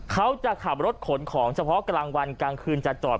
เขาจะขับรถขนของเฉพาะกลางวันกลางคืนจะจอด